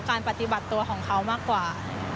การปฏิบัติตัวของเขามากกว่า